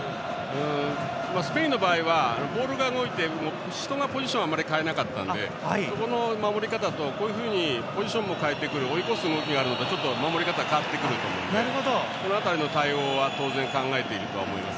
スペインの場合はボールが動いて人がポジションをあまり変えなかったんでそこの守り方とこういうふうにポジションも変えてくるちょっと、守り方変わってくると思うのでその辺りの対応は当然、考えていると思います。